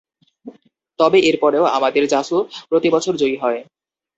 তবে এরপরেও আমাদের জাসু প্রতিবছর জয়ী হয়।